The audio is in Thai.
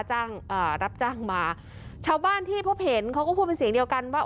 อ่ารับจ้างมาชาวบ้านที่พบเห็นเขาก็พูดเป็นเสียงเดียวกันว่า